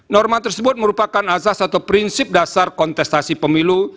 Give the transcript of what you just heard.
norma tersebut merupakan azas atau prinsip dasar kontestasi pemilu